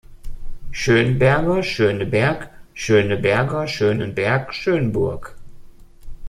Schönberger, Schöneberg, Schöneberger, Schönenberg, Schönburg